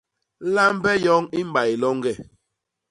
Lambe yoñ i mbay loñge!